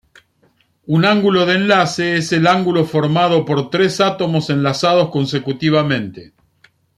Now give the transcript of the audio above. Un ángulo de enlace es el ángulo formado por tres átomos enlazados consecutivamente.